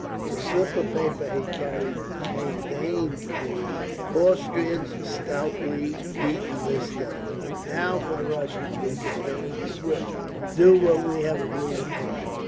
The slip of paper he carried contained the words: "Austrians totally beaten this day. Now for the Russians, dear brother, and swift. Do what we have agreed upon."